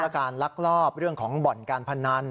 การลักลอบเรื่องของบ่อนการพนัน